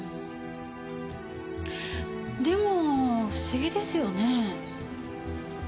でも不思議ですよね。